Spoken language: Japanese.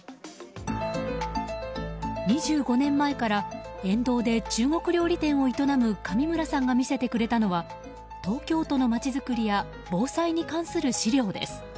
２５年前から沿道で中国料理店を営む上村さんが見せてくれたのは東京都のまちづくりや防災に関する資料です。